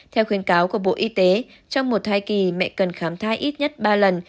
theo khuyến cáo của bộ y tế trong một thai kỳ mẹ cần khám thai ít nhất ba lần